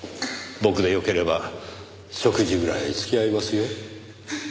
僕でよければ食事ぐらい付き合いますよ。